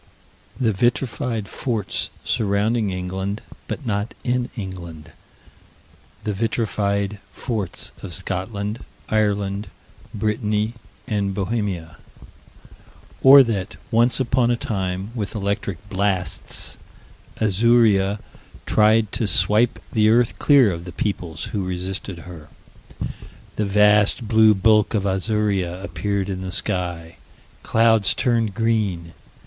The vitrified forts surrounding England, but not in England. The vitrified forts of Scotland, Ireland, Brittany, and Bohemia. Or that, once upon a time, with electric blasts, Azuria tried to swipe this earth clear of the peoples who resisted her. The vast blue bulk of Azuria appeared in the sky. Clouds turned green.